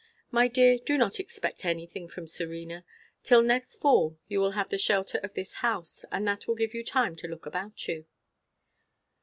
My dear, do not expect anything from Serena. Till next fall you will have the shelter of this house; and that will give you time to look about you."